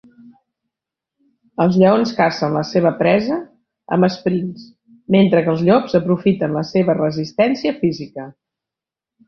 Els lleons cacen la seva presa amb esprints, mentre que els llops aprofiten la seva resistència física.